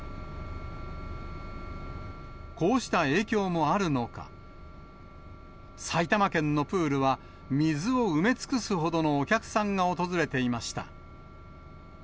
こうした影響もあるのか、埼玉県のプールは、水を埋め尽くすほどのお客さんが訪れていました。